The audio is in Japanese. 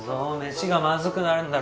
飯がまずくなるだろ。